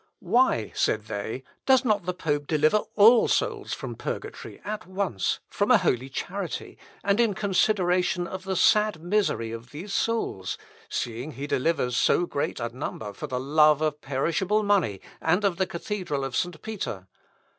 "Why," said they, "does not the pope deliver all souls from purgatory at once from a holy charity, and in consideration of the sad misery of these souls, seeing he delivers so great a number for the love of perishable money, and of the cathedral of St. Peter?